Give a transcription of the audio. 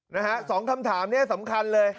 นะฮะสองคำถามนี้สำคัญเลย